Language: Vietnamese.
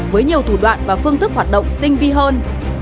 với nhiều thủ đoạn và phương thức hoạt động tinh vi hơn